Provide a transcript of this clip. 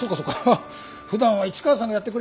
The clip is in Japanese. ふだんは市川さんがやってくれてるからねえ。